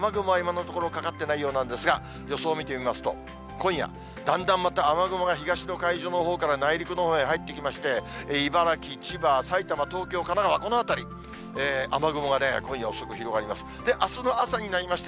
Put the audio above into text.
雨雲は今のところかかってないようなんですが、予想を見てみますと、今夜、だんだんまた雨雲が東の海上のほうから内陸のほうへ入ってきまして、茨城、千葉、埼玉、東京、神奈川、このあたり、雨雲がね、今夜遅く広がります。